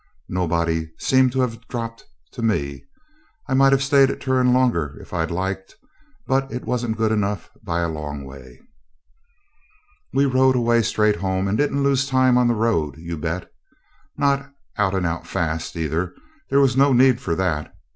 Nobody seemed to have 'dropped' to me. I might have stayed at Turon longer if I'd liked. But it wasn't good enough by a long way. We rode away straight home, and didn't lose time on the road, you bet. Not out and out fast, either; there was no need for that.